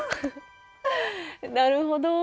なるほど。